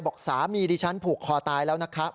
บอกสามีดิฉันผูกคอตายแล้วนะครับ